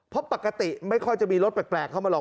เพราะปกติไม่ค่อยจะมีรถแปลกเข้ามาหรอก